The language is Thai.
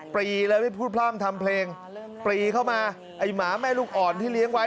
ปรีเลยไม่พูดพร่ำทำเพลงปรีเข้ามาไอ้หมาแม่ลูกอ่อนที่เลี้ยงไว้